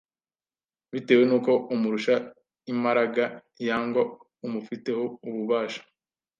bitewe n’uko umurusha imaraga yangwa umufiteho ububasha